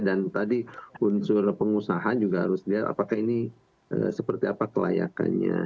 dan tadi unsur pengusahaan juga harus lihat apakah ini seperti apa kelayakannya